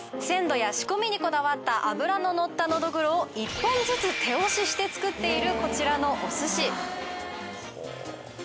鮮度や仕込みにこだわった脂ののったのどぐろを１本ずつ手押しして作っているこちらのお寿司。